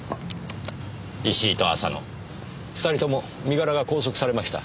石井と浅野２人とも身柄が拘束されました。